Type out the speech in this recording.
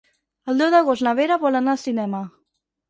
El deu d'agost na Vera vol anar al cinema.